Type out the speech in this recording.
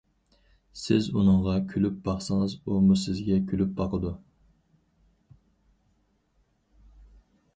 سىز ئۇنىڭغا كۈلۈپ باقسىڭىز، ئۇمۇ سىزگە كۈلۈپ باقىدۇ.